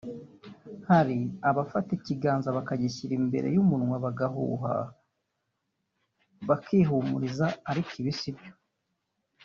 hari abafata ikiganza bakagishyira imbere y’umunwa bagahuha bakihumuriza ariko ibi sibyo